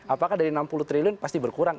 apakah dari enam puluh triliun pasti berkurang